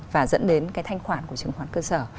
và dẫn đến cái thanh khoản của chứng khoán cơ sở